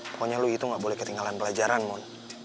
pokoknya lo itu gak boleh ketinggalan pelajaran mon